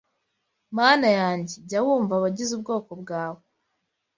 Mana yanjye jya wumva abagize ubwoko bwawe